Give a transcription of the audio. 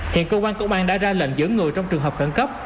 hiện công an đã ra lệnh giữ người trong trường hợp khẩn cấp